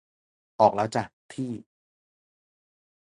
ออกแล้วจ้ะ ที่